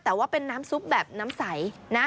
แต่ว่าเป็นน้ำซุปแบบน้ำใสนะ